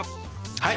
はい！